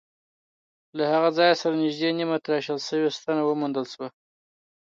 له هغه ځای سره نږدې نیمه تراشل شوې ستنه وموندل شوه.